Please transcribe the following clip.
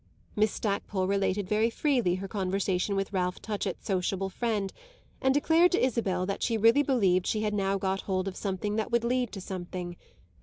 Miss Stackpole related very freely her conversation with Ralph Touchett's sociable friend and declared to Isabel that she really believed she had now got hold of something that would lead to something.